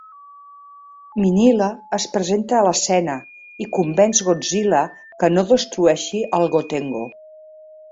Minilla es presenta a l'escena i convenç Godzilla que no destrueixi el Gotengo.